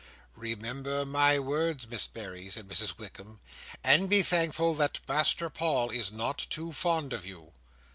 "Remember my words, Miss Berry," said Mrs Wickam, "and be thankful that Master Paul is not too fond of you.